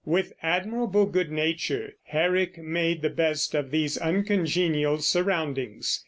With admirable good nature, Herrick made the best of these uncongenial surroundings.